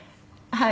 はい。